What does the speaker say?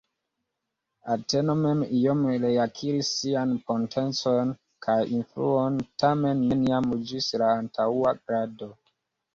Ateno mem iom reakiris sian potencon kaj influon, tamen neniam ĝis la antaŭa grado.